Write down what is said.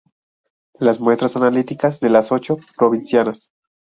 las muestras analíticas de las ocho provincias